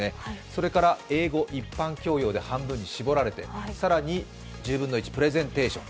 それから英語、一般教養で半分に絞られて、更に１０分の１、プレゼンテーション。